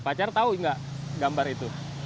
pacar tau gak gambar itu